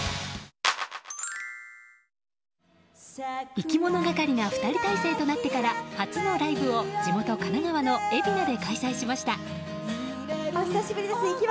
いきものがかりが２人体制となってから初のライブを地元・神奈川の海老名で開催しました。